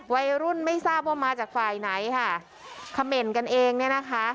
วัยรุ่นไม่ทราบว่ามาจากฝ่ายไหนค่ะเขม่นกันเองเนี่ยนะคะ